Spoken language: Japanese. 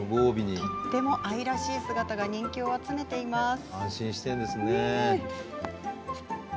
とても愛らしい姿が人気を集めています。